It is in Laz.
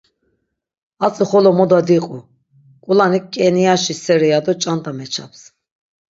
Atzi xolo moda diqu, k̆ulanik k̆eniaşi seri ya do ç̆anda meçaps.